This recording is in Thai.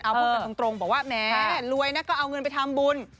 เอาพูดกันตรงบอกว่าแหมรวยนะก็เอาเงินไปทำบุญ